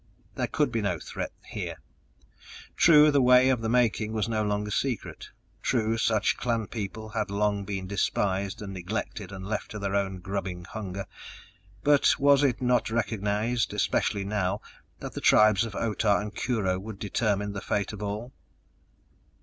There could be no threat here! True, the way of the making was no longer secret. True, such clan people had long been despised and neglected and left to their own grubbing hunger but was it not recognized, especially now, that the tribes of Otah and Kurho would determine the fate of all?